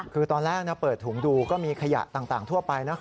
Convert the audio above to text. คือตอนแรกเปิดถุงดูก็มีขยะต่างทั่วไปนะ